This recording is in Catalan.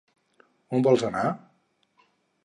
On vols anar?